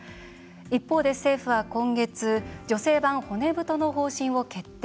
一方で、政府は今月「女性版骨太の方針」を決定。